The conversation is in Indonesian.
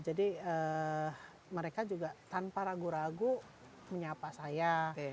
mereka juga tanpa ragu ragu menyapa saya